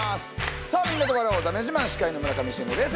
さあみんなで笑おうだめ自慢司会の村上信五です。